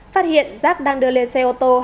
phát hiện giác đang đưa lên xe ô tô